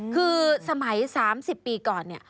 คือสมัย๓๐ปีก่อนเนี่ย